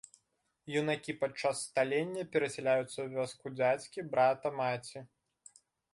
Юнакі падчас сталення перасяляюцца ў вёску дзядзькі, брата маці.